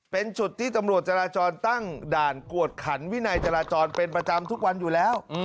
เป็นจุดที่ตำรวจจราจรตั้งด่านกวดขันวินัยจราจรเป็นประจำทุกวันอยู่แล้ว